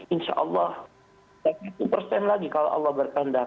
insya allah itu persen lagi kalau allah berkandah